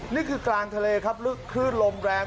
นี่คือกลางทะเลครับคลื่นลมแรง